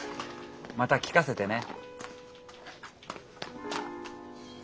また聞かせてね。